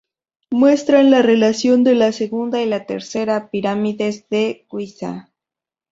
Muestran la relación de la segunda y la tercera pirámides de Guiza.